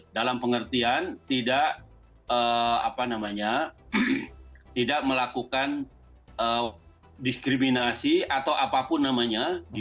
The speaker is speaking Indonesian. dalam pengertian tidak melakukan diskriminasi atau apapun namanya